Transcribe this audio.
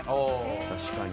確かに。